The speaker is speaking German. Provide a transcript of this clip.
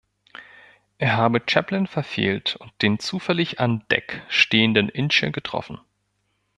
Er habe Chaplin verfehlt und den zufällig an Deck stehenden Ince getroffen.